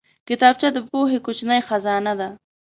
کتابچه د پوهې کوچنۍ خزانه ده